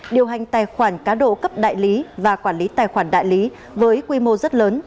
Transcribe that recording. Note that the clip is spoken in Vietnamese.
điều hành tài khoản cá độ cấp đại lý và quản lý tài khoản đại lý với quy mô rất lớn